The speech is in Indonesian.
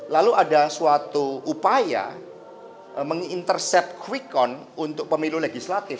lalu ada suatu upaya mengintercept quick count untuk pemilu legislatif